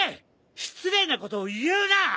失礼なことを言うな！